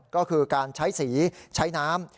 ก็คือการใช้สีใช้น้ำ